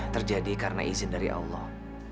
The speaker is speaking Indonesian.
terjadi karena izin dari allah